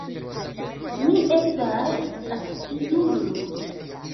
Mi estas akciulo.